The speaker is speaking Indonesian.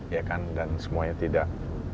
ya kan dan semuanya tidak